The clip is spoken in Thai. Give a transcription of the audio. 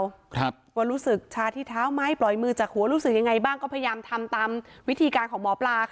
ครับว่ารู้สึกชาที่เท้าไหมปล่อยมือจากหัวรู้สึกยังไงบ้างก็พยายามทำตามวิธีการของหมอปลาค่ะ